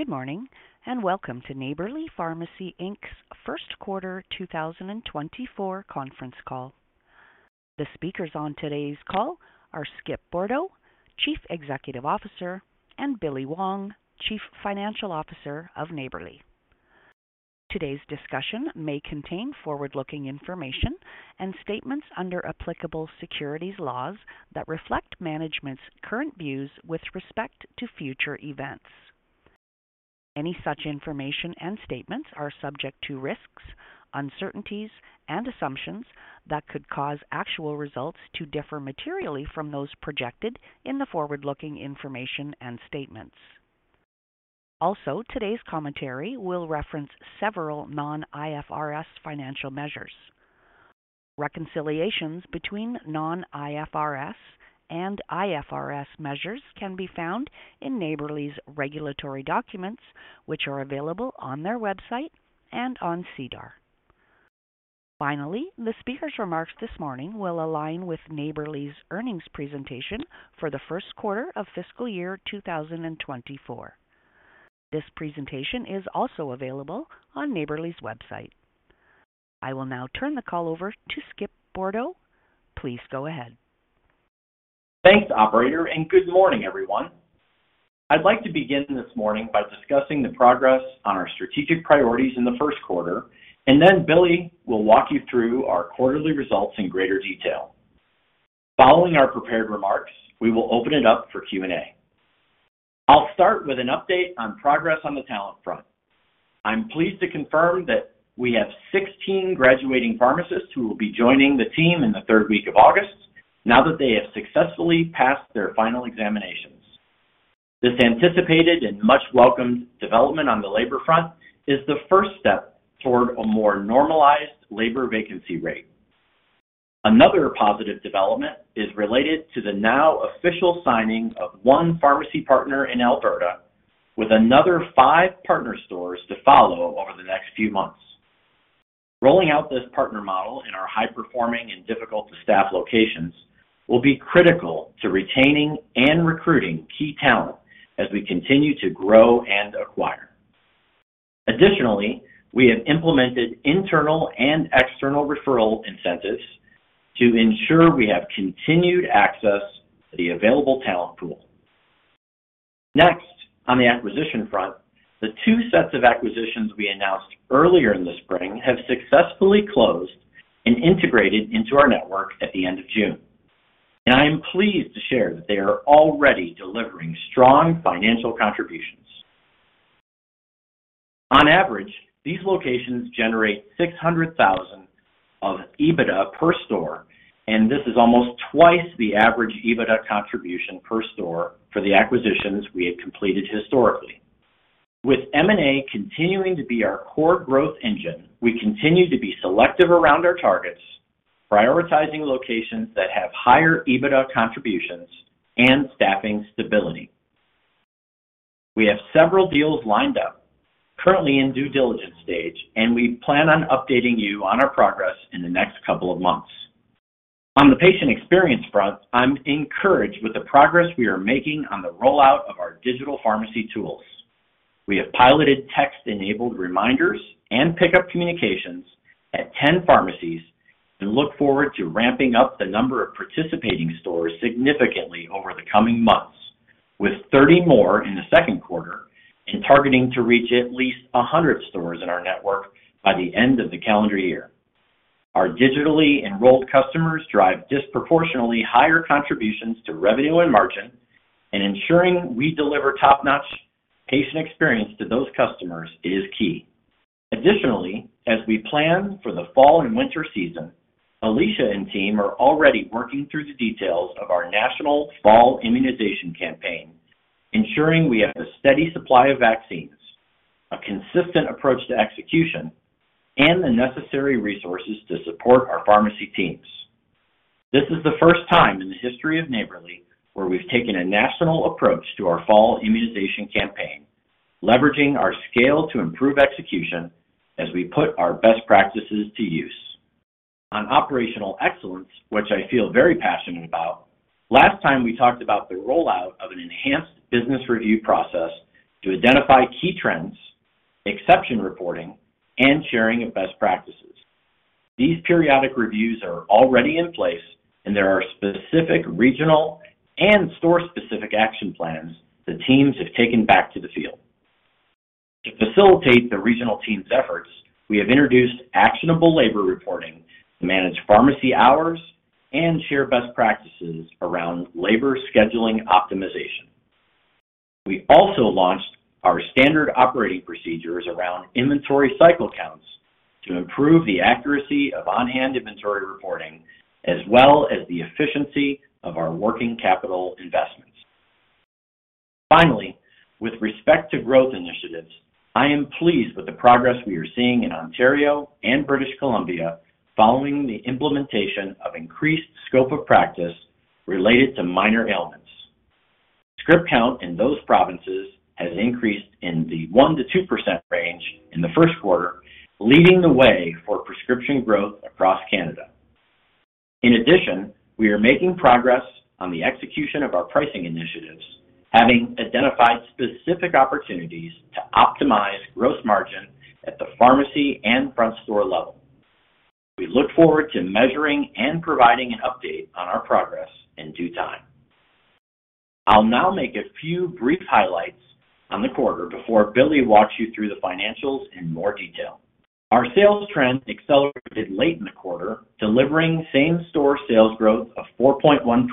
Good morning, welcome to Neighbourly Pharmacy Inc.'s First Quarter 2024 Conference Call. The speakers on today's call are Skip Bourdo, Chief Executive Officer, and Billy Wong, Chief Financial Officer of Neighbourly. Today's discussion may contain forward-looking information and statements under applicable securities laws that reflect management's current views with respect to future events. Any such information and statements are subject to risks, uncertainties, and assumptions that could cause actual results to differ materially from those projected in the forward-looking information and statements. Today's commentary will reference several non-IFRS financial measures. Reconciliations between non-IFRS and IFRS measures can be found in Neighbourly's regulatory documents, which are available on their website and on SEDAR. Finally, the speaker's remarks this morning will align with Neighbourly's earnings presentation for the first quarter of fiscal year 2024. This presentation is also available on Neighbourly's website. I will now turn the call over to Skip Bourdo. Please go ahead. Thanks, operator. Good morning, everyone. I'd like to begin this morning by discussing the progress on our strategic priorities in the first quarter. Then Billy will walk you through our quarterly results in greater detail. Following our prepared remarks, we will open it up for Q&A. I'll start with an update on progress on the talent front. I'm pleased to confirm that we have 16 graduating pharmacists who will be joining the team in the third week of August, now that they have successfully passed their final examinations. This anticipated and much-welcomed development on the labor front is the first step toward a more normalized labor vacancy rate. Another positive development is related to the now official signing of one pharmacy partner in Alberta, with another five partner stores to follow over the next few months. Rolling out this partner model in our high-performing and difficult-to-staff locations will be critical to retaining and recruiting key talent as we continue to grow and acquire. Additionally, we have implemented internal and external referral incentives to ensure we have continued access to the available talent pool. Next, on the acquisition front, the 2 sets of acquisitions we announced earlier in the spring have successfully closed and integrated into our network at the end of June, and I am pleased to share that they are already delivering strong financial contributions. On average, these locations generate 600,000 of EBITDA per store, and this is almost twice the average EBITDA contribution per store for the acquisitions we have completed historically. With M&A continuing to be our core growth engine, we continue to be selective around our targets, prioritizing locations that have higher EBITDA contributions and staffing stability. We have several deals lined up, currently in due diligence stage, and we plan on updating you on our progress in the next couple of months. On the patient experience front, I'm encouraged with the progress we are making on the rollout of our digital pharmacy tools. We have piloted text-enabled reminders and pickup communications at 10 pharmacies and look forward to ramping up the number of participating stores significantly over the coming months, with 30 more in the second quarter and targeting to reach at least 100 stores in our network by the end of the calendar year. Our digitally enrolled customers drive disproportionately higher contributions to revenue and margin, and ensuring we deliver top-notch patient experience to those customers is key. Additionally, as we plan for the fall and winter season, Alicia and team are already working through the details of our national fall immunization campaign, ensuring we have a steady supply of vaccines, a consistent approach to execution, and the necessary resources to support our pharmacy teams. This is the first time in the history of Neighbourly where we've taken a national approach to our fall immunization campaign, leveraging our scale to improve execution as we put our best practices to use. On operational excellence, which I feel very passionate about, last time, we talked about the rollout of an enhanced business review process to identify key trends, exception reporting, and sharing of best practices. These periodic reviews are already in place, and there are specific regional and store-specific action plans the teams have taken back to the field. To facilitate the regional teams' efforts, we have introduced actionable labor reporting to manage pharmacy hours and share best practices around labor scheduling optimization. We also launched our standard operating procedures around inventory cycle counts to improve the accuracy of on-hand inventory reporting, as well as the efficiency of our working capital investments. Finally, with respect to growth initiatives, I am pleased with the progress we are seeing in Ontario and British Columbia following the implementation of increased scope of practice related to minor ailments. Script count in those provinces has increased in the 1%-2% range in the first quarter, leading the way for prescription growth across Canada. In addition, we are making progress on the execution of our pricing initiatives, having identified specific opportunities to optimize gross margin at the pharmacy and front store level. We look forward to measuring and providing an update on our progress in due time. I'll now make a few brief highlights on the quarter before Billy walks you through the financials in more detail. Our sales trend accelerated late in the quarter, delivering same-store sales growth of 4.1%,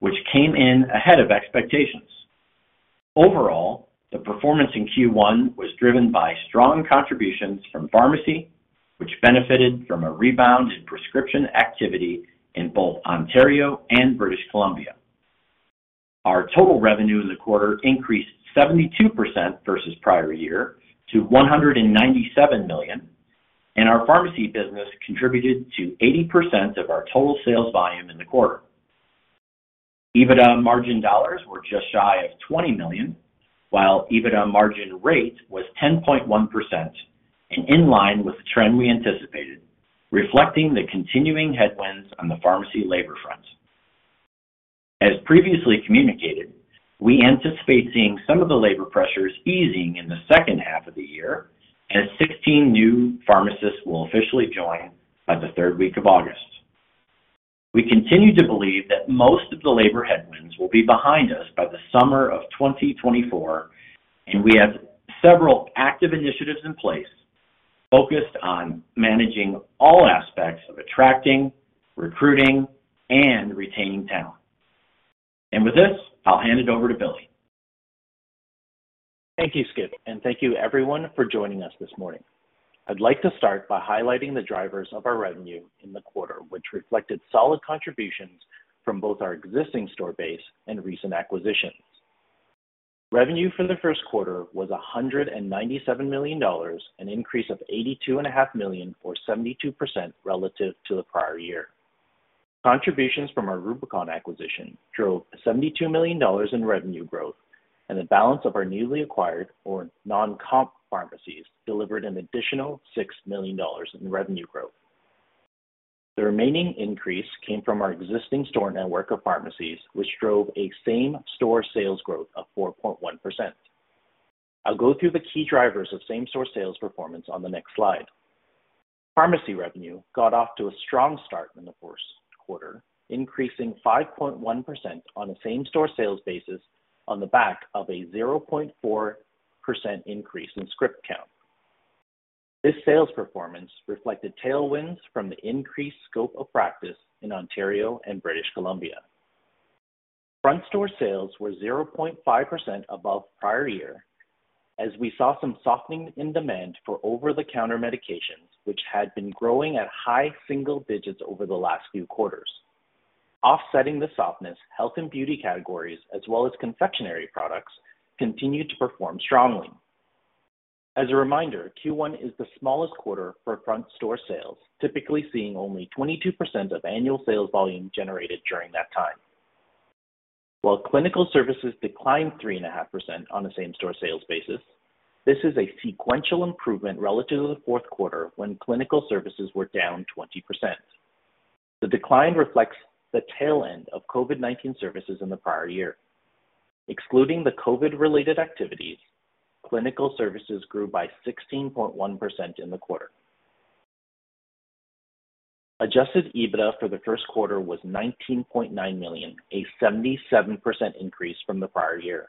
which came in ahead of expectations. Overall, the performance in Q1 was driven by strong contributions from pharmacy, which benefited from a rebound in prescription activity in both Ontario and British Columbia. Our total revenue in the quarter increased 72% versus prior year to 197 million, and our pharmacy business contributed to 80% of our total sales volume in the quarter. EBITDA margin dollars were just shy of 20 million, while EBITDA margin rate was 10.1% and in line with the trend we anticipated, reflecting the continuing headwinds on the pharmacy labor front. As previously communicated, we anticipate seeing some of the labor pressures easing in the second half of the year, as 16 new pharmacists will officially join by the third week of August. We continue to believe that most of the labor headwinds will be behind us by the summer of 2024, and we have several active initiatives in place focused on managing all aspects of attracting, recruiting, and retaining talent. With this, I'll hand it over to Billy. Thank you, Skip, and thank you everyone for joining us this morning. I'd like to start by highlighting the drivers of our revenue in the quarter, which reflected solid contributions from both our existing store base and recent acquisitions. Revenue for the first quarter was 197 million dollars, an increase of 82.5 million, or 72%, relative to the prior year. Contributions from our Rubicon acquisition drove 72 million dollars in revenue growth, and the balance of our newly acquired or non-comp pharmacies delivered an additional 6 million dollars in revenue growth. The remaining increase came from our existing store network of pharmacies, which drove a same-store sales growth of 4.1%. I'll go through the key drivers of same-store sales performance on the next slide. Pharmacy revenue got off to a strong start in the first quarter, increasing 5.1% on a same-store sales basis on the back of a 0.4% increase in script count. This sales performance reflected tailwinds from the increased scope of practice in Ontario and British Columbia. Front Store sales were 0.5% above prior year as we saw some softening in demand for over-the-counter medications, which had been growing at high single digits over the last few quarters. Offsetting the softness, health and beauty categories, as well as confectionery products, continued to perform strongly. As a reminder, Q1 is the smallest quarter for front store sales, typically seeing only 22% of annual sales volume generated during that time. While clinical services declined 3.5% on a same-store sales basis, this is a sequential improvement relative to the fourth quarter, when clinical services were down 20%. The decline reflects the tail end of COVID-19 services in the prior year. Excluding the COVID-related activities, clinical services grew by 16.1% in the quarter. Adjusted EBITDA for the first quarter was 19.9 million, a 77% increase from the prior year.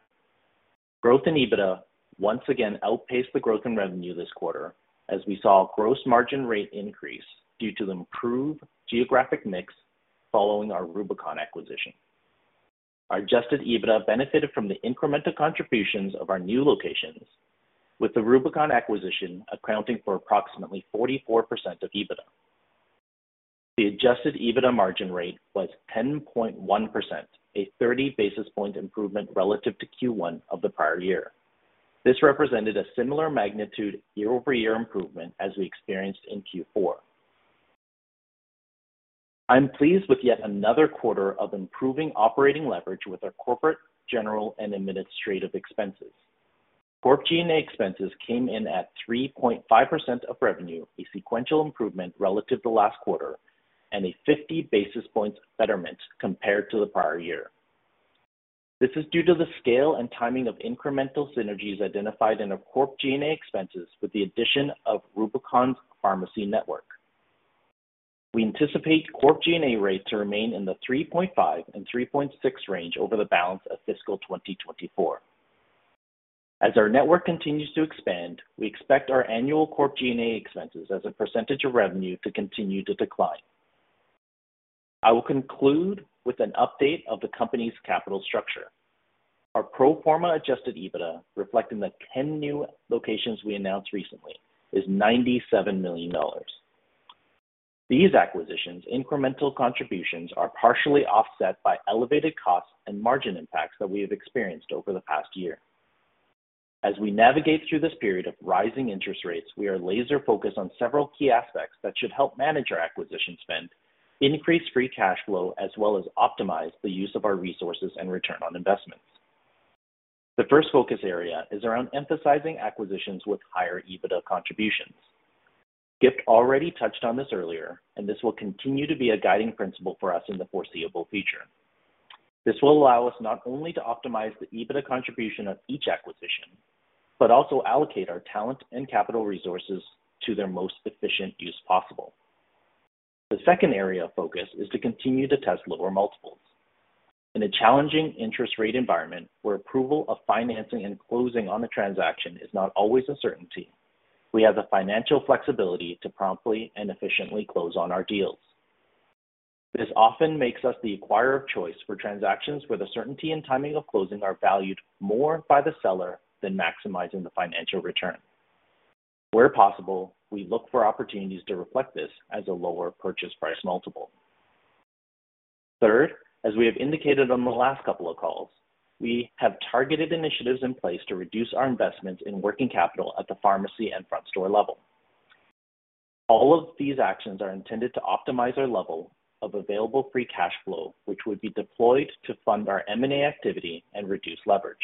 Growth in EBITDA once again outpaced the growth in revenue this quarter, as we saw gross margin rate increase due to the improved geographic mix following our Rubicon acquisition. Our adjusted EBITDA benefited from the incremental contributions of our new locations, with the Rubicon acquisition accounting for approximately 44% of EBITDA. The adjusted EBITDA margin rate was 10.1%, a 30 basis point improvement relative to Q1 of the prior year. This represented a similar magnitude year-over-year improvement as we experienced in Q4. I'm pleased with yet another quarter of improving operating leverage with our Corporate, General, and Administrative expenses. Corporate G&A expenses came in at 3.5% of revenue, a sequential improvement relative to last quarter and a 50 basis points betterment compared to the prior year. This is due to the scale and timing of incremental synergies identified in our Corporate G&A expenses with the addition of Rubicon's pharmacy network. We anticipate Corporate G&A rates to remain in the 3.5%-3.6% range over the balance of fiscal 2024. As our network continues to expand, we expect our annual corp G&A expenses as a % of revenue to continue to decline. I will conclude with an update of the company's capital structure. Our pro forma adjusted EBITDA, reflecting the 10 new locations we announced recently, is 97 million dollars. These acquisitions, incremental contributions, are partially offset by elevated costs and margin impacts that we have experienced over the past year. As we navigate through this period of rising interest rates, we are laser-focused on several key aspects that should help manage our acquisition spend, increase free cash flow, as well as optimize the use of our resources and return on investment. The first focus area is around emphasizing acquisitions with higher EBITDA contributions. Skip already touched on this earlier. This will continue to be a guiding principle for us in the foreseeable future. This will allow us not only to optimize the EBITDA contribution of each acquisition, but also allocate our talent and capital resources to their most efficient use possible. The second area of focus is to continue to test lower multiples. In a challenging interest rate environment, where approval of financing and closing on a transaction is not always a certainty, we have the financial flexibility to promptly and efficiently close on our deals. This often makes us the acquirer of choice for transactions where the certainty and timing of closing are valued more by the seller than maximizing the financial return. Where possible, we look for opportunities to reflect this as a lower purchase price multiple. Third, as we have indicated on the last couple of calls, we have targeted initiatives in place to reduce our investment in working capital at the pharmacy and front store level. All of these actions are intended to optimize our level of available free cash flow, which would be deployed to fund our M&A activity and reduce leverage.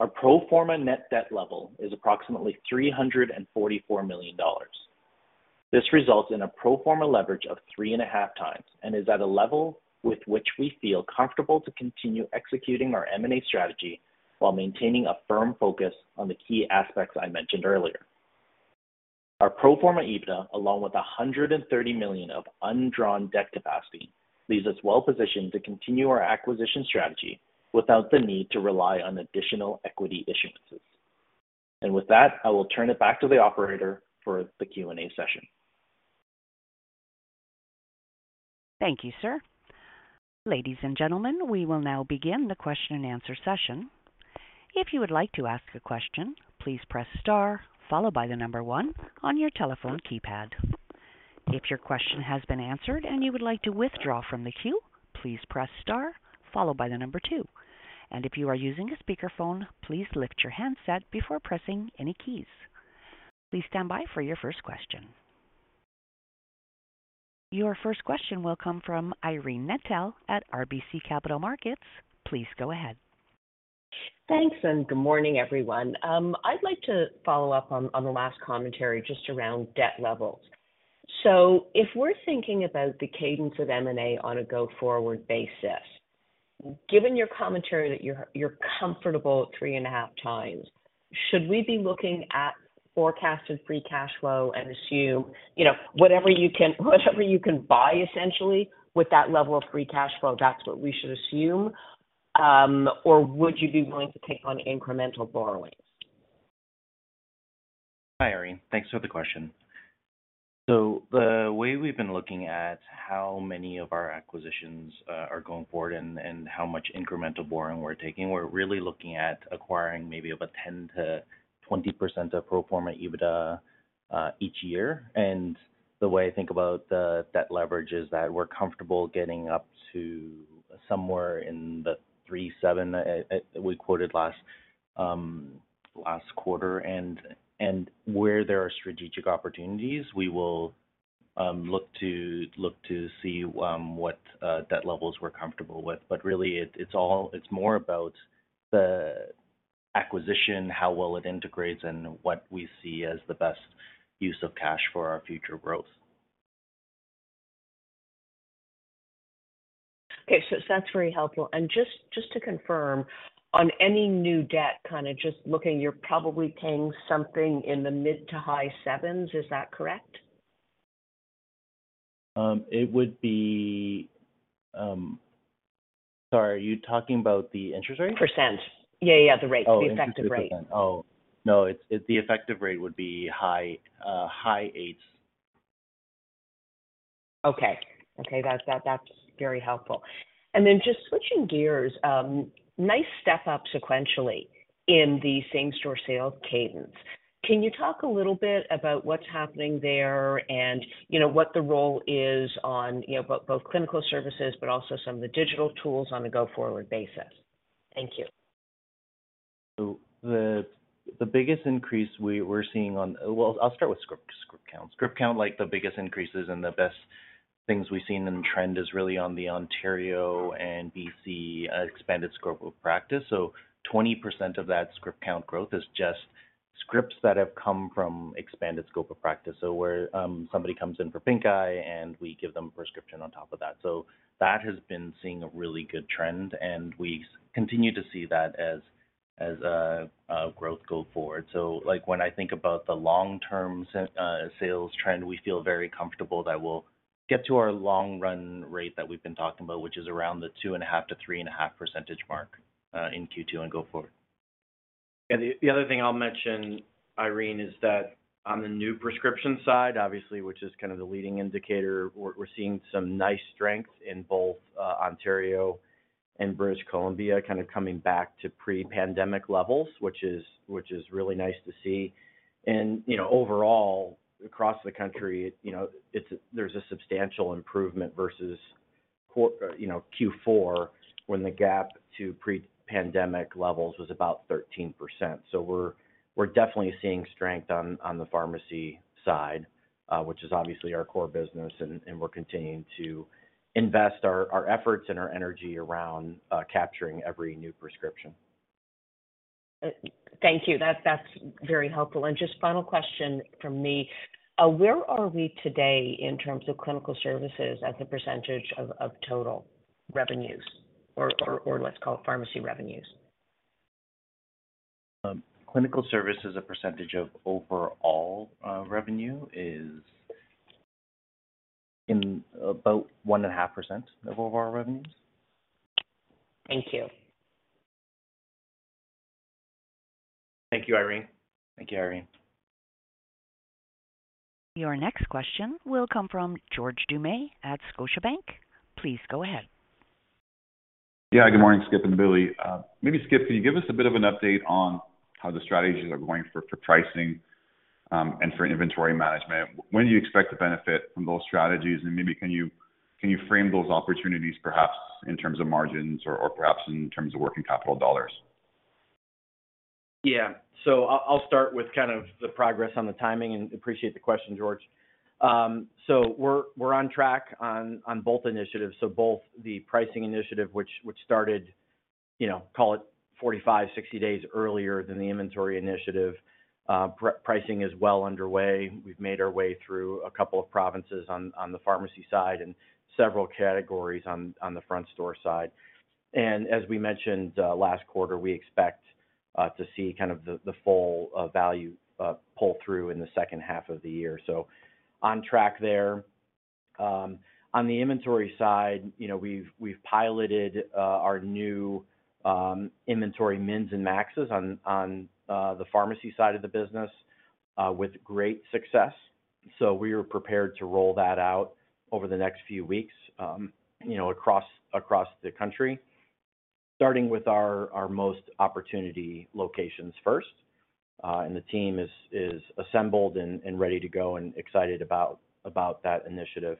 Our pro forma net debt level is approximately 344 million dollars. This results in a pro forma leverage of 3.5x and is at a level with which we feel comfortable to continue executing our M&A strategy while maintaining a firm focus on the key aspects I mentioned earlier. Our pro forma EBITDA, along with 130 million of undrawn debt capacity, leaves us well positioned to continue our acquisition strategy without the need to rely on additional equity issuances. With that, I will turn it back to the operator for the Q&A session. Thank you, sir. Ladies and gentlemen, we will now begin the question-and-answer session. If you would like to ask a question, please press star followed by 1 on your telephone keypad. If your question has been answered and you would like to withdraw from the queue, please press star followed by 2. If you are using a speakerphone, please lift your handset before pressing any keys. Please stand by for your first question. Your first question will come from Irene Nattel at RBC Capital Markets. Please go ahead. Thanks, good morning, everyone. I'd like to follow up on, on the last commentary just around debt levels. If we're thinking about the cadence of M&A on a go-forward basis, given your commentary that you're, you're comfortable at 3.5x, should we be looking at forecasted free cash flow and assume, you know, whatever you can, whatever you can buy essentially with that level of free cash flow, that's what we should assume? Or would you be willing to take on incremental borrowings? Hi, Irene. Thanks for the question. The way we've been looking at how many of our acquisitions are going forward and how much incremental borrowing we're taking, we're really looking at acquiring maybe about 10%-20% of pro forma EBITDA each year. The way I think about the debt leverage is that we're comfortable getting up to somewhere in the 3.7x as we quoted last quarter. Where there are strategic opportunities, we will look to, look to see what debt levels we're comfortable with. Really, it's all, it's more about the acquisition, how well it integrates, and what we see as the best use of cash for our future growth. Okay, that's very helpful. Just, just to confirm, on any new debt, kinda just looking, you're probably paying something in the mid to high sevens, is that correct? it would be... Sorry, are you talking about the interest rate? Percent. Yeah, yeah, the rate. Oh, interest rate. The effective rate. Oh, no, it's the effective rate would be high, high eights. Okay. Okay, that's, that, that's very helpful. Then just switching gears, nice step up sequentially in the same-store sales cadence. Can you talk a little bit about what's happening there and, you know, what the role is on, you know, both, both clinical services but also some of the digital tools on a go-forward basis? Thank you. The, the biggest increase we're seeing on... Well, I'll start with script count. Script count, like, the biggest increases and the best things we've seen in trend is really on the Ontario and BC expanded scope of practice. 20% of that script count growth is just scripts that have come from expanded scope of practice. Where somebody comes in for pink eye, and we give them a prescription on top of that. That has been seeing a really good trend, and we continue to see that as, as growth go forward. Like, when I think about the long-term sales trend, we feel very comfortable that we'll get to our long-run rate that we've been talking about, which is around the 2.5%-3.5% mark in Q2 and go forward. The, the other thing I'll mention, Irene, is that on the new prescription side, obviously, which is kind of the leading indicator, we're, we're seeing some nice strength in both Ontario and British Columbia, kind of coming back to pre-pandemic levels, which is, which is really nice to see. You know, overall, across the country, you know, there's a substantial improvement versus you know, Q4, when the gap to pre-pandemic levels was about 13%. We're, we're definitely seeing strength on, on the pharmacy side. which is obviously our core business, and, and we're continuing to invest our, our efforts and our energy around capturing every new prescription. Thank you. That, that's very helpful. Just final question from me, where are we today in terms of clinical services as a % of, of total revenues or, or, or let's call it pharmacy revenues? Clinical service as a percentage of overall revenue is in about 1.5% of overall revenues. Thank you. Thank you, Irene. Thank you, Irene. Your next question will come from George Doumet at Scotiabank. Please go ahead. Yeah. Good morning, Skip and Billy. Maybe Skip, can you give us a bit of an update on how the strategies are going for, for pricing, and for inventory management? When do you expect to benefit from those strategies? Maybe can you, can you frame those opportunities perhaps in terms of margins or, or perhaps in terms of working capital dollars? Yeah. I'll, I'll start with kind of the progress on the timing and appreciate the question, George. We're, we're on track on, on both initiatives. Both the pricing initiative, which, which started, you know, call it 45-60 days earlier than the inventory initiative. Pricing is well underway. We've made our way through a couple of provinces on, on the pharmacy side and several categories on, on the front store side. As we mentioned, last quarter, we expect to see kind of the, the full value pull through in the second half of the year. On track there. On the inventory side, you know, we've, we've piloted our new inventory mins and maxes on, on the pharmacy side of the business with great success. We are prepared to roll that out over the next few weeks, you know, across, across the country, starting with our, our most opportunity locations first. The team is, is assembled and, and ready to go and excited about, about that initiative.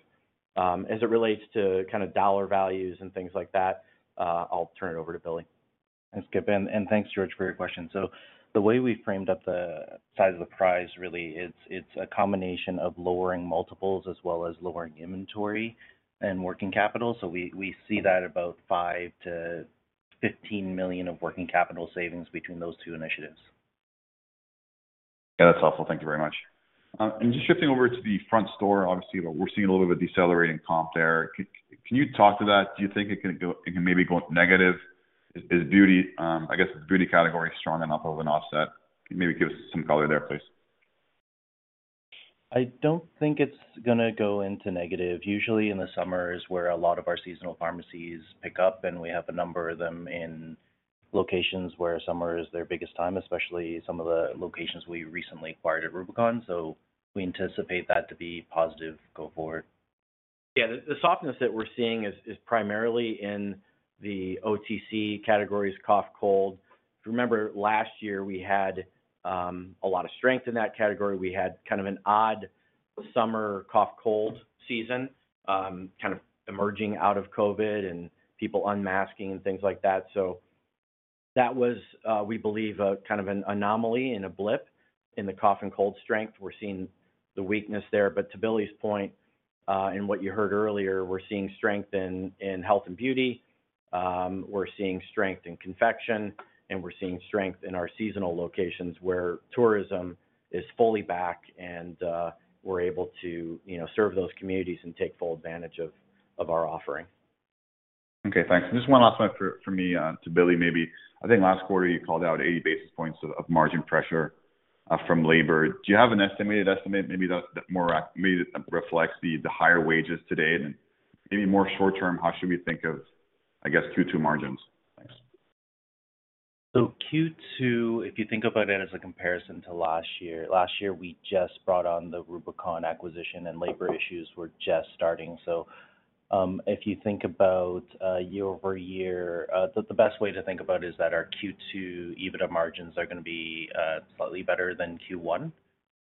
As it relates to kind of dollar values and things like that, I'll turn it over to Billy. Thanks, Skip, and thanks, George, for your question. The way we framed up the size of the prize, really, it's a combination of lowering multiples as well as lowering inventory and working capital. We see that about 5 million-15 million of working capital savings between those two initiatives. Yeah, that's helpful. Thank you very much. Just shifting over to the front store, obviously, we're seeing a little bit of a decelerating comp there. Can you talk to that? Do you think it can go- it can maybe go negative? Is beauty, I guess, is beauty category strong enough of an offset? Maybe give us some color there, please. I don't think it's gonna go into negative. Usually, in the summer is where a lot of our seasonal pharmacies pick up, and we have a number of them in locations where summer is their biggest time, especially some of the locations we recently acquired at Rubicon. We anticipate that to be positive going forward. Yeah. The, the softness that we're seeing is, is primarily in the OTC categories, cough, cold. If you remember, last year, we had a lot of strength in that category. We had kind of an odd summer cough, cold season, kind of emerging out of COVID and people unmasking and things like that. That was, we believe, a kind of an anomaly and a blip in the cough and cold strength. We're seeing the weakness there. To Billy's point, and what you heard earlier, we're seeing strength in, in health and beauty, we're seeing strength in confection, and we're seeing strength in our seasonal locations where tourism is fully back and we're able to, you know, serve those communities and take full advantage of, of our offering. Okay, thanks. Just one last one for, for me, to Billy, maybe. I think last quarter, you called out 80 basis points of, of margin pressure, from labor. Do you have an estimated estimate, maybe that, that more maybe reflects the, the higher wages today? Then maybe more short term, how should we think of, I guess, Q2 margins? Thanks. Q2, if you think about it as a comparison to last year, last year, we just brought on the Rubicon acquisition and labor issues were just starting. If you think about year-over-year, the best way to think about it is that our Q2 EBITDA margins are gonna be slightly better than Q1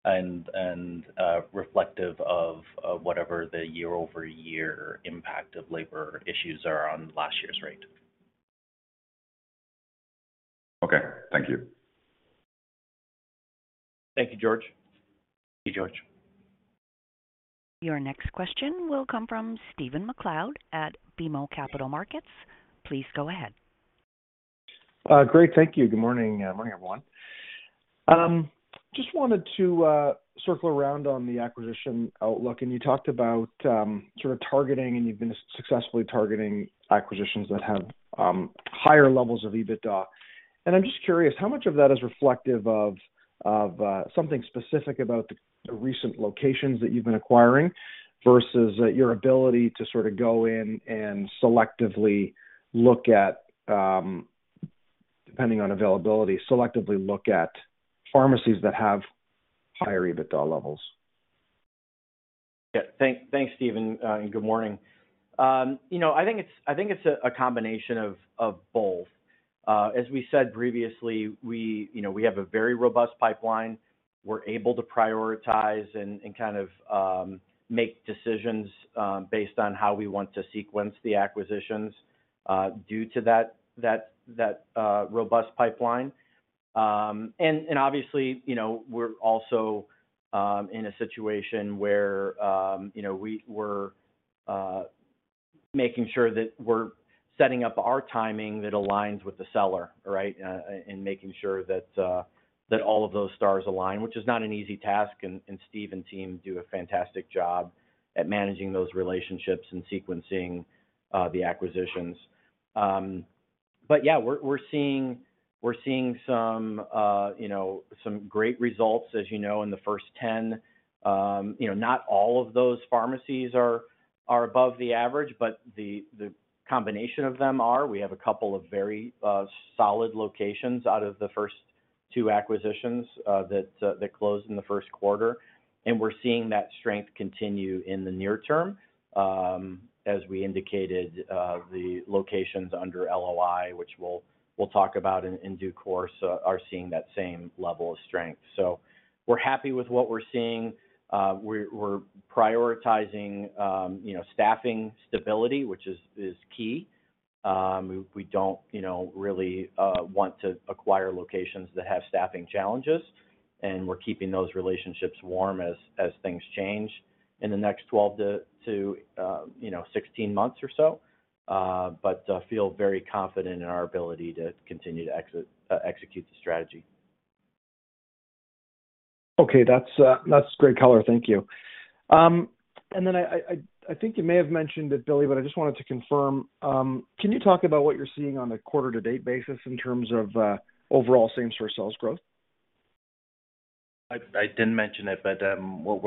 and reflective of whatever the year-over-year impact of labor issues are on last year's rate. Okay. Thank you. Thank you, George. Thank you, George. Your next question will come from Stephen MacLeod at BMO Capital Markets. Please go ahead. Great. Thank you. Good morning. Morning, everyone. Just wanted to circle around on the acquisition outlook. You talked about sort of targeting, and you've been successfully targeting acquisitions that have higher levels of EBITDA. I'm just curious, how much of that is reflective of, of something specific about the, the recent locations that you've been acquiring versus your ability to sort of go in and selectively look at, depending on availability, selectively look at pharmacies that have higher EBITDA levels? Yeah. Thanks, Stephen, good morning. You know, I think it's, I think it's a, a combination of, of both. As we said previously, we, you know, we have a very robust pipeline. We're able to prioritize and, and kind of make decisions based on how we want to sequence the acquisitions due to that, that, that robust pipeline. Obviously, you know, we're also in a situation where, you know, we're making sure that we're setting up our timing that aligns with the seller, right? Making sure that all of those stars align, which is not an easy task, and Stephen and team do a fantastic job at managing those relationships and sequencing the acquisitions. Yeah, we're, we're seeing, we're seeing some, you know, some great results, as you know, in the first 10. You know, not all of those pharmacies are, are above the average, but the, the combination of them are. We have a couple of very, solid locations out of the first two acquisitions, that, that closed in the first quarter, and we're seeing that strength continue in the near term. As we indicated, the locations under LOI, which we'll, we'll talk about in, in due course, are seeing that same level of strength. We're happy with what we're seeing. We're, we're prioritizing, you know, staffing stability, which is, is key. We don't, you know, really want to acquire locations that have staffing challenges, and we're keeping those relationships warm as, as things change in the next 12 to, you know, 16 months or so, but feel very confident in our ability to continue to execute the strategy. Okay. That's great color. Thank you. I think you may have mentioned it, Billy, but I just wanted to confirm. Can you talk about what you're seeing on a quarter-to-date basis in terms of overall same-store sales growth? I, I didn't mention it, but what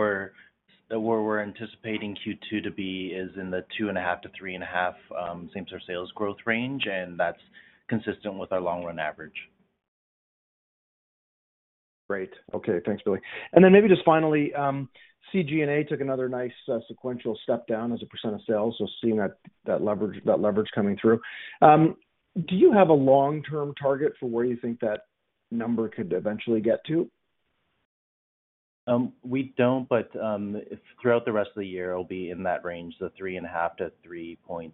we're anticipating Q2 to be is in the 2.5%-3.5% same-store sales growth range, and that's consistent with our long-run average. Great. Okay. Thanks, Billy. Maybe just finally, CGNA took another nice, sequential step down as a % of sales, so seeing that, that leverage, that leverage coming through. Do you have a long-term target for where you think that number could eventually get to? We don't, but, if throughout the rest of the year, it'll be in that range, the 3.5-3.6.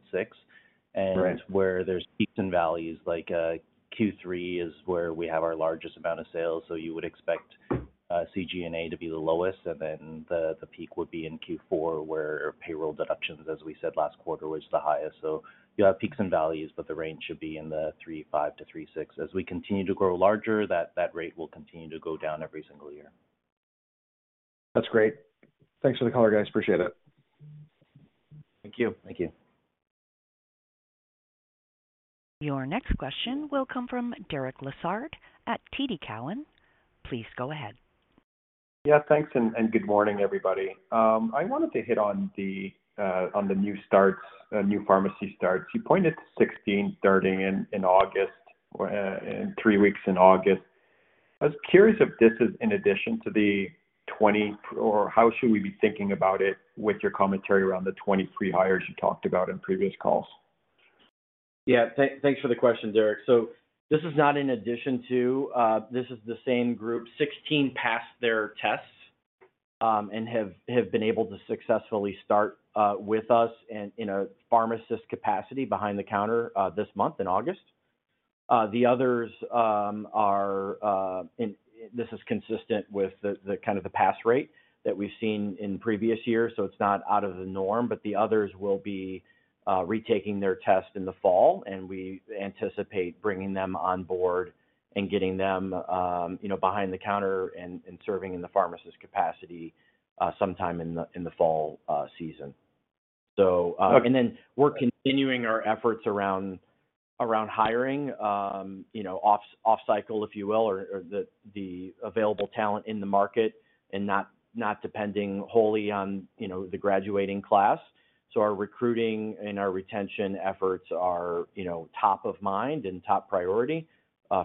Right. Where there's peaks and valleys, like, Q3 is where we have our largest amount of sales, so you would expect CGNA to be the lowest, and then the, the peak would be in Q4, where payroll deductions, as we said last quarter, was the highest. You'll have peaks and valleys, but the range should be in the 3.5%-3.6%. As we continue to grow larger, that rate will continue to go down every single year. That's great. Thanks for the color, guys. Appreciate it. Thank you. Thank you. Your next question will come from Derek Lessard at TD Cowen. Please go ahead. Yeah, thanks, and good morning, everybody. I wanted to hit on the new starts, new pharmacy starts. You pointed to 16 starting in August, or in 3 weeks in August. I was curious if this is in addition to the 20, or how should we be thinking about it with your commentary around the 20 pre-hires you talked about in previous calls? Yeah. Thank, thanks for the question, Derek. This is not in addition to, this is the same group. 16 passed their tests, and have been able to successfully start with us in a pharmacist capacity behind the counter this month, in August. The others are, and this is consistent with the kind of the pass rate that we've seen in previous years, so it's not out of the norm, but the others will be retaking their test in the fall, and we anticipate bringing them on board and getting them, you know, behind the counter and serving in the pharmacist capacity sometime in the fall season. Okay. Then we're continuing our efforts around, around hiring, you know, off cycle, if you will, or, or the, the available talent in the market and not, not depending wholly on, you know, the graduating class. So our recruiting and our retention efforts are, you know, top of mind and top priority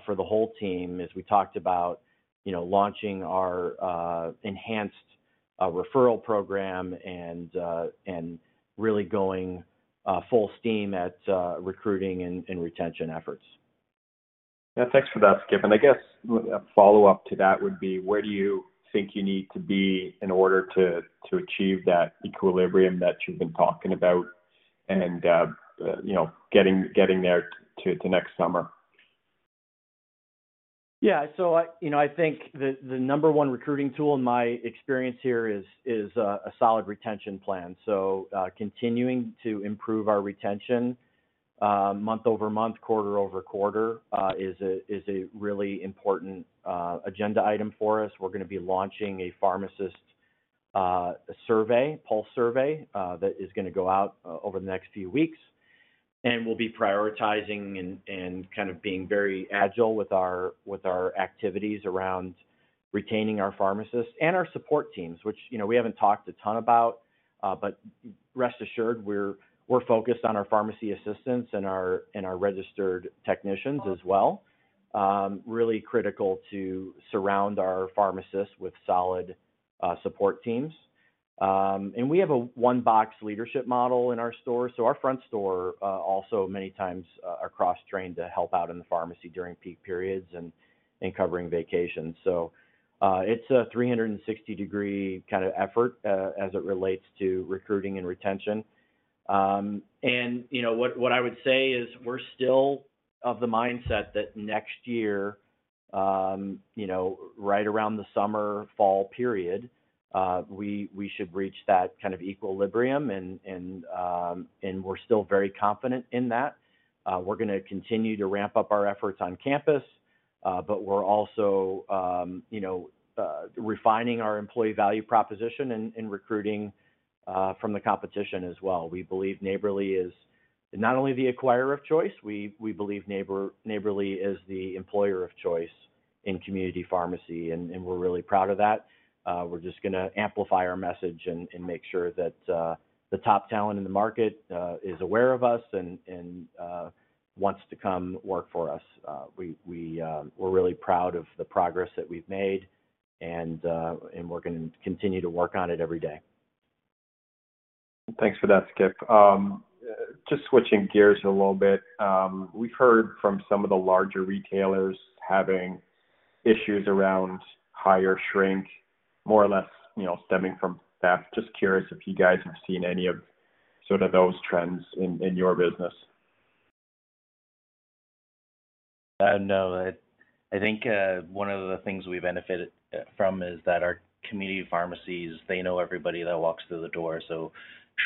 for the whole team, as we talked about, you know, launching our enhanced referral program and really going full steam at recruiting and retention efforts. Yeah. Thanks for that, Skip. I guess a follow-up to that would be: Where do you think you need to be in order to, to achieve that equilibrium that you've been talking about and, you know, getting, getting there to, to next summer? Yeah. So I-- you know, I think the, the number one recruiting tool in my experience here is, is a solid retention plan. So, continuing to improve our retention month-over-month, quarter-over-quarter, is a really important agenda item for us. We're gonna be launching a pharmacist survey, pulse survey, that is gonna go out over the next few weeks, and we'll be prioritizing and kind of being very agile with our activities around retaining our pharmacists and our support teams, which, you know, we haven't talked a ton about, but rest assured, we're focused on our pharmacy assistants and our registered technicians as well. Really critical to surround our pharmacists with solid support teams. We have a one-box leadership model in our store, so our front store also many times are cross-trained to help out in the pharmacy during peak periods and covering vacations. It's a 360 degree kind of effort as it relates to recruiting and retention. You know, what I would say is we're still of the mindset that next year, you know, right around the summer, fall period, we should reach that kind of equilibrium. We're still very confident in that. We're gonna continue to ramp up our efforts on campus, but we're also, you know, refining our employee value proposition and recruiting from the competition as well. We believe Neighbourly is not only the acquirer of choice, we believe Neighbourly is the employer of choice in community pharmacy, we're really proud of that. We're just gonna amplify our message and make sure that the top talent in the market is aware of us and wants to come work for us. We're really proud of the progress that we've made, we're gonna continue to work on it every day. Thanks for that, Skip. Just switching gears a little bit, we've heard from some of the larger retailers having issues around higher shrink, more or less, you know, stemming from theft. Just curious if you guys have seen any of, sort of, those trends in, in your business? No. I, I think one of the things we've benefited from is that our community pharmacies, they know everybody that walks through the door, so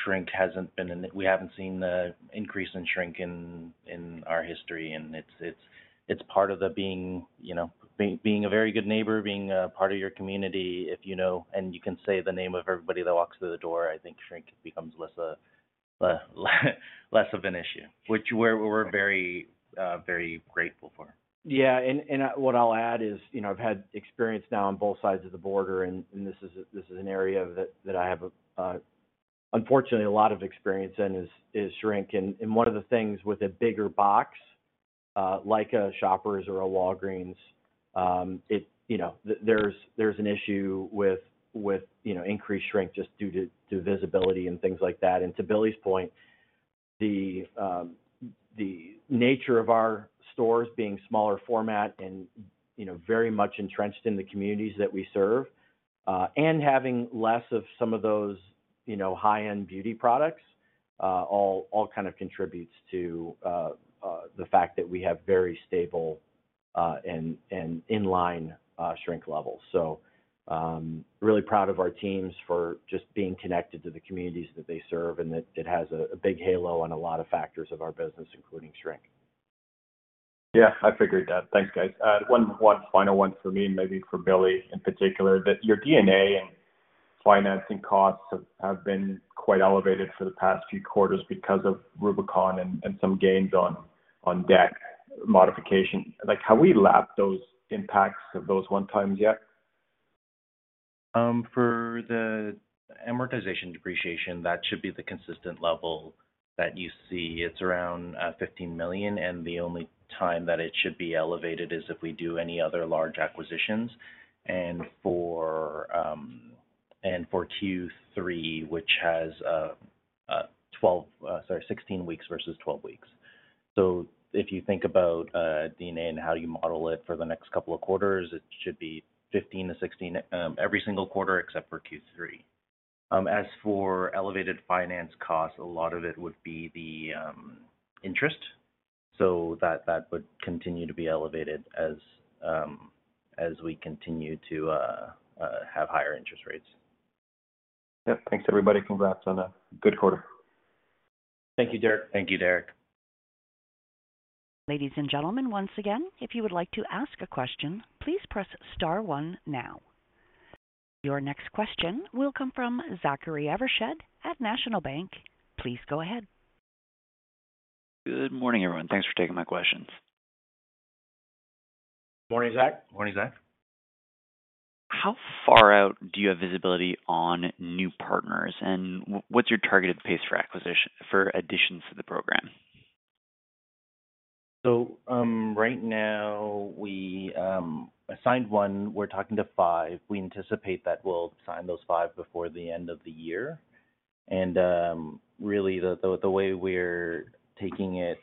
shrink hasn't been we haven't seen the increase in shrink in, in our history. It's, it's, it's part of the being, you know, being, being a very good neighbor, being a part of your community. If you know and you can say the name of everybody that walks through the door, I think shrink becomes less a less of an issue, which we're, we're very very grateful for. Yeah, and, and, what I'll add is, you know, I've had experience now on both sides of the border, and, and this is a, this is an area that, that I have, unfortunately, a lot of experience in, is, is shrink. One of the things with a bigger box, like a Shoppers or a Walgreens, it, you know, there's, there's an issue with, with, you know, increased shrink just due to, to visibility and things like that. To Billy's point, the, the nature of our stores being smaller format and, you know, very much entrenched in the communities that we serve, and having less of some of those, you know, high-end beauty products, all, all kind of contributes to, the fact that we have very stable, and, and in-line, shrink levels. Really proud of our teams for just being connected to the communities that they serve, and that it has a, a big halo on a lot of factors of our business, including shrink. Yeah, I figured that. Thanks, guys. One, one final one for me, and maybe for Billy in particular, that your D&A and financing costs have, have been quite elevated for the past few quarters because of Rubicon and, and some gains on, on debt modification. Like, have we lapped those impacts of those one-times yet? For the amortization depreciation, that should be the consistent level that you see. It's around 15 million, and the only time that it should be elevated is if we do any other large acquisitions. For Q3, which has 12, sorry, 16 weeks versus 12 weeks. If you think about D&A and how you model it for the next couple of quarters, it should be 15 million-16 million, every single quarter except for Q3. As for elevated finance costs, a lot of it would be the interest, so that would continue to be elevated as we continue to have higher interest rates. Yep. Thanks, everybody. Congrats on a good quarter. Thank you, Derek. Thank you, Derek. Ladies and gentlemen, once again, if you would like to ask a question, please press star one now. Your next question will come from Zachary Evershed at National Bank. Please go ahead. Good morning, everyone. Thanks for taking my questions. Morning, Zach. Morning, Zach. How far out do you have visibility on new partners, and what's your targeted pace for additions to the program? Right now, we assigned 1. We're talking to 5. We anticipate that we'll sign those 5 before the end of the year. Really, the, the, the way we're taking it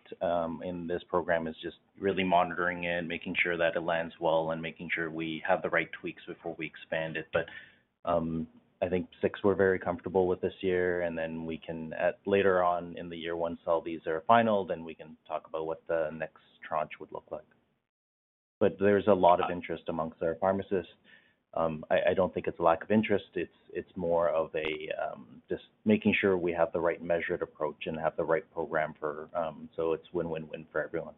in this program is just really monitoring it, making sure that it lands well, and making sure we have the right tweaks before we expand it. I think 6 we're very comfortable with this year, and then we can, at later on in the year, once all these are final, then we can talk about what the next tranche would look like. There's a lot of interest amongst our pharmacists. I, I don't think it's a lack of interest, it's, it's more of a just making sure we have the right measured approach and have the right program for so it's win-win-win for everyone.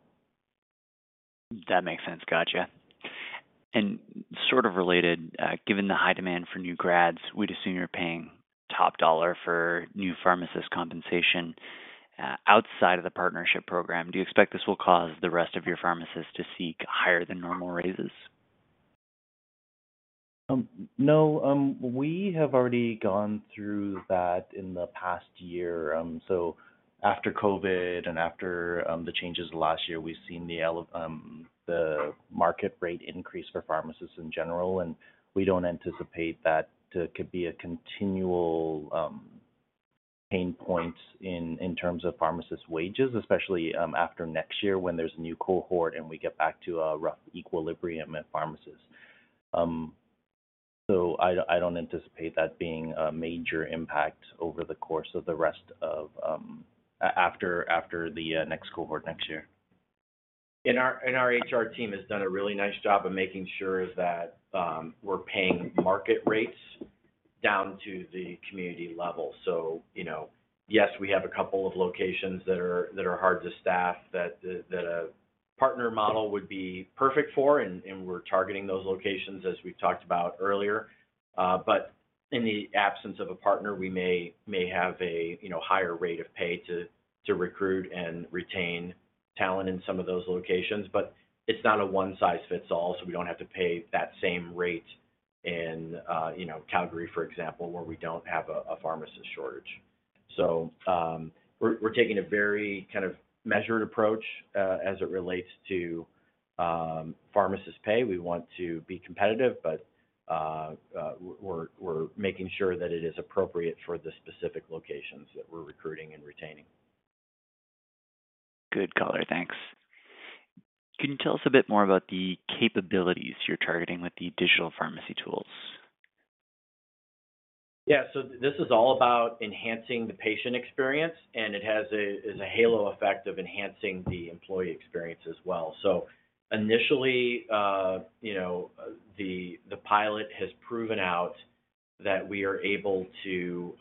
That makes sense. Gotcha. Sort of related, given the high demand for new grads, we'd assume you're paying top dollar for new pharmacist compensation. Outside of the partnership program, do you expect this will cause the rest of your pharmacists to seek higher than normal raises? No, we have already gone through that in the past year. After COVID and after the changes last year, we've seen the market rate increase for pharmacists in general, and we don't anticipate that to be a continual pain point in terms of pharmacist wages, especially after next year when there's a new cohort and we get back to a rough equilibrium at pharmacists. I don't anticipate that being a major impact over the course of the rest of after the next cohort next year. Our HR team has done a really nice job of making sure that we're paying market rates down to the community level. You know, yes, we have a couple of locations that are, that are hard to staff, that a partner model would be perfect for, and we're targeting those locations as we've talked about earlier. In the absence of a partner, we may have a, you know, higher rate of pay to recruit and retain talent in some of those locations. It's not a one-size-fits-all, we don't have to pay that same rate in, you know, Calgary, for example, where we don't have a pharmacist shortage. We're taking a very kind of measured approach as it relates to pharmacist pay. We want to be competitive, but, we're, we're making sure that it is appropriate for the specific locations that we're recruiting and retaining. Good color. Thanks. Can you tell us a bit more about the capabilities you're targeting with the digital pharmacy tools? Yeah. This is all about enhancing the patient experience, and it has a, it's a halo effect of enhancing the employee experience as well. Initially, you know, the pilot has proven out that we are able to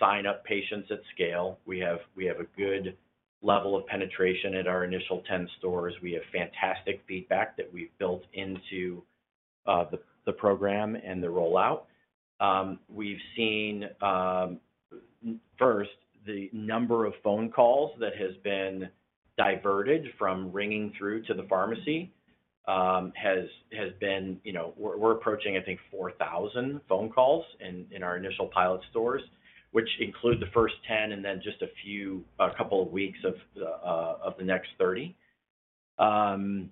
sign up patients at scale. We have, we have a good level of penetration at our initial 10 stores. We have fantastic feedback that we've built into the program and the rollout. We've seen, first, the number of phone calls that has been diverted from ringing through to the pharmacy, has, has been, you know... We're, we're approaching, I think, 4,000 phone calls in, in our initial pilot stores, which include the first 10 and then just a few, a couple of weeks of the next 30. That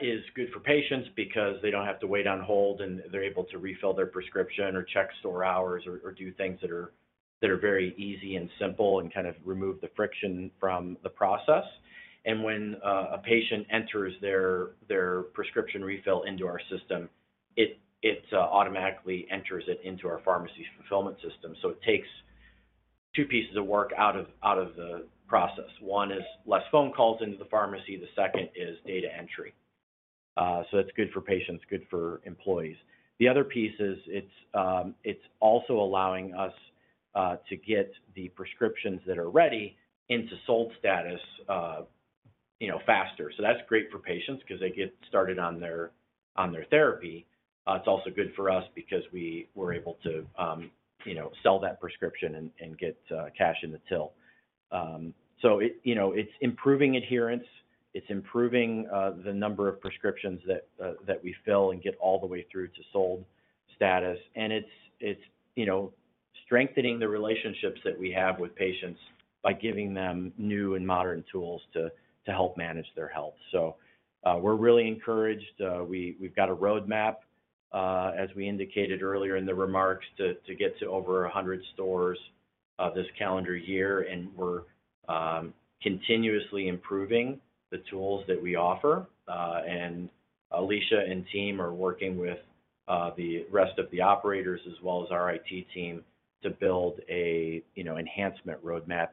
is good for patients because they don't have to wait on hold, and they're able to refill their prescription or check store hours or, or do things that are, that are very easy and simple and kind of remove the friction from the process. When a patient enters their, their prescription refill into our system, it automatically enters it into our pharmacy's fulfillment system. It takes two pieces of work out of, out of the process. One is less phone calls into the pharmacy, the second is data entry. It's good for patients, good for employees. The other piece is it's also allowing us to get the prescriptions that are ready into sold status faster. That's great for patients 'cause they get started on their, on their therapy. It's also good for us because we were able to, you know, sell that prescription and, and get cash in the till. It, you know, it's improving adherence, it's improving the number of prescriptions that we fill and get all the way through to sold status, and it's, it's, you know, strengthening the relationships that we have with patients by giving them new and modern tools to help manage their health. We're really encouraged. We, we've got a roadmap, as we indicated earlier in the remarks, to get to over 100 stores this calendar year. We're continuously improving the tools that we offer. Alicia and team are working with the rest of the operators, as well as our IT team, to build a, you know, enhancement roadmap.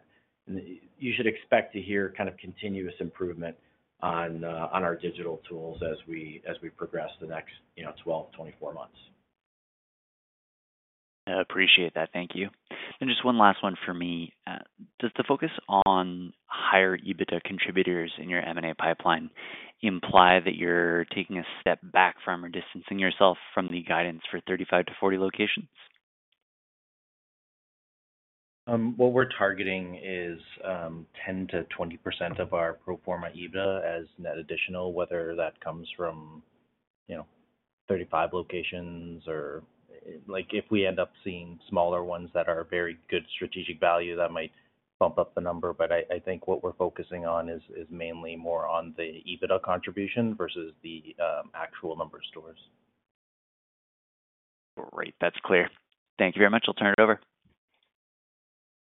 You should expect to hear kind of continuous improvement on, on our digital tools as we, as we progress the next, you know, 12-24 months. I appreciate that. Thank you. Just one last one for me. Does the focus on higher EBITDA contributors in your M&A pipeline imply that you're taking a step back from or distancing yourself from the guidance for 35-40 locations? What we're targeting is 10%-20% of our pro forma EBITDA as net additional, whether that comes from, you know, 35 locations or, if we end up seeing smaller ones that are very good strategic value, that might bump up the number. I think what we're focusing on is mainly more on the EBITDA contribution versus the actual number of stores. Great, that's clear. Thank you very much. I'll turn it over.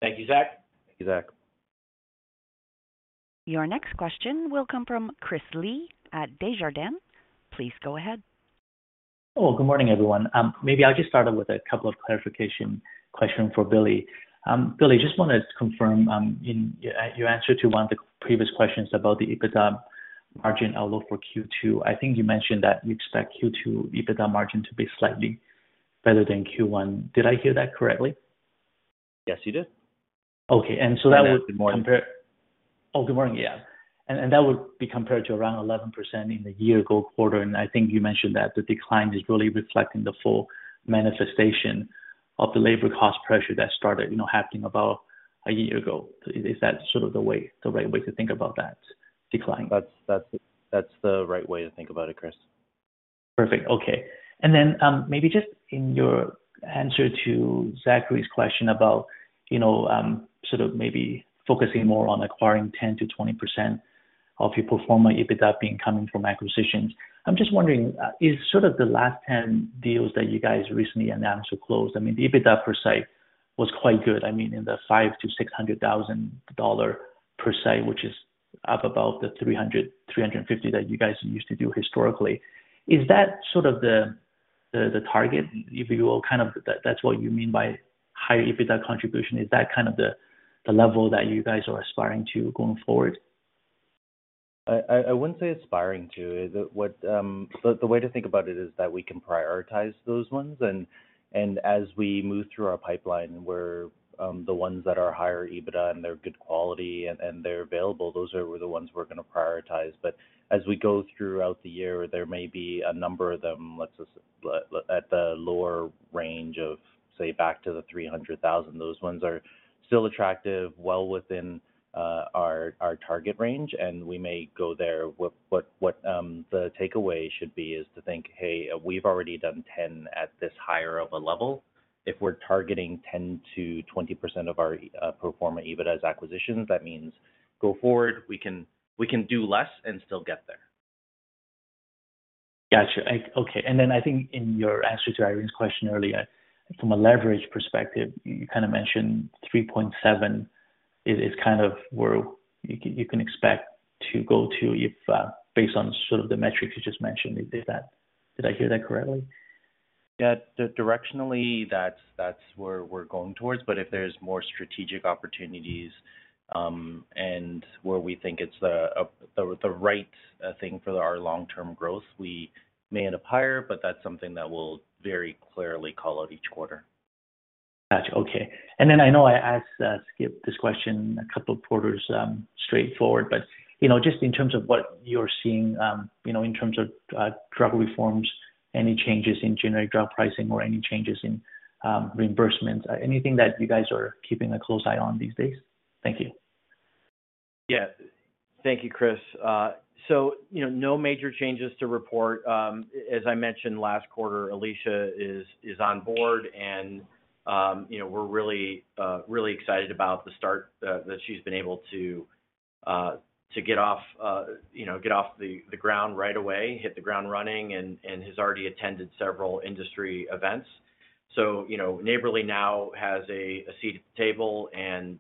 Thank you, Zach. Thank you, Zach. Your next question will come from Chris Lee at Desjardins. Please go ahead. Oh, good morning, everyone. Maybe I'll just start out with a couple of clarification question for Billy. Billy, just wanted to confirm, in your answer to one of the previous questions about the EBITDA margin outlook for Q2. I think you mentioned that you expect Q2 EBITDA margin to be slightly better than Q1. Did I hear that correctly? Yes, you did. Okay, that would- Good morning. Oh, good morning. Yeah. And that would be compared to around 11% in the year-ago quarter, and I think you mentioned that the decline is really reflecting the full manifestation of the labor cost pressure that started, you know, happening about a year ago. Is, is that sort of the way, the right way to think about that decline? That's, that's, that's the right way to think about it, Chris. Perfect. Okay. Then maybe just in your answer to Zachary's question about, you know, sort of maybe focusing more on acquiring 10%-20% of your pro forma EBITDA being coming from acquisitions, I'm just wondering, is sort of the last 10 deals that you guys recently announced or closed, I mean, the EBITDA per site was quite good, I mean, in the 500,000-600,000 dollar per site, which is up about the 300,000-350,000 that you guys used to do historically. Is that sort of the, the, the target, if you will, kind of, that, that's what you mean by higher EBITDA contribution? Is that kind of the, the level that you guys are aspiring to going forward? I, I, I wouldn't say aspiring to. It is what. The, the way to think about it is that we can prioritize those ones, and, and as we move through our pipeline, where, the ones that are higher EBITDA, and they're good quality, and, and they're available, those are the ones we're gonna prioritize. As we go throughout the year, there may be a number of them, let's just, at the lower range of, say, back to the 300 thousand. Those ones are still attractive, well within, our, our target range, and we may go there. What, what, what, the takeaway should be is to think, "Hey, we've already done 10 at this higher of a level." If we're targeting 10%-20% of our pro forma EBITDA acquisitions, that means go forward, we can, we can do less and still get there. Gotcha. Okay, and then I think in your answer to Irene's question earlier, from a leverage perspective, you kinda mentioned 3.7 is, is kind of where you, you can expect to go to if, based on sort of the metrics you just mentioned. Did I hear that correctly? Yeah, directionally, that's, that's where we're going towards. If there's more strategic opportunities, and where we think it's the, the, the right, thing for our long-term growth, we may end up higher, but that's something that we'll very clearly call out each quarter. Gotcha. Okay. Then I know I asked Skip this question a couple of quarters, straightforward, but, you know, just in terms of what you're seeing, you know, in terms of drug reforms, any changes in generic drug pricing or any changes in reimbursements, anything that you guys are keeping a close eye on these days? Thank you. Yeah. Thank you, Chris. You know, no major changes to report. As I mentioned last quarter, Alicia is, is on board and, you know, we're really, really excited about the start that she's been able to to get off, you know, get off the, the ground right away, hit the ground running, and, and has already attended several industry events. You know, Neighbourly now has a, a seat at the table, and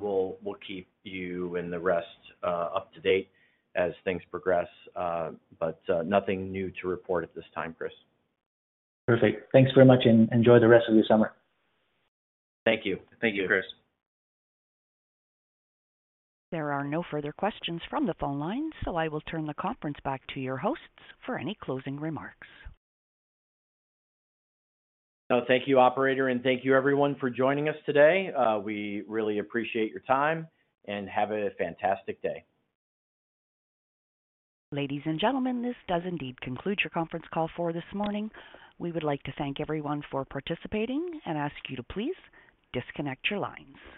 we'll, we'll keep you and the rest up to date as things progress. Nothing new to report at this time, Chris. Perfect. Thanks very much, and enjoy the rest of your summer. Thank you. Thank you, Chris. There are no further questions from the phone lines, so I will turn the conference back to your hosts for any closing remarks. Thank you, operator, and thank you everyone for joining us today. We really appreciate your time, and have a fantastic day. Ladies and gentlemen, this does indeed conclude your conference call for this morning. We would like to thank everyone for participating and ask you to please disconnect your lines.